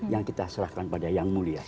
yang kita serahkan pada yang mulia